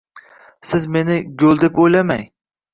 Siz meni go`l deb o`ylamang